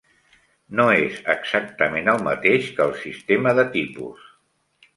No és exactament el mateix que el sistema de tipus.